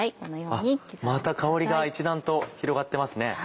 また香りが一段と広がっていますね。